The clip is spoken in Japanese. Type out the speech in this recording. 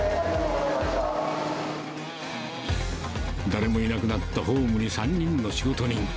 誰もいなくなったホームに３人の仕事人。